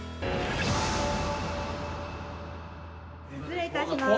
失礼いたします。